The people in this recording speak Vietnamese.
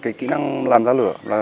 cái kĩ năng làm ra lửa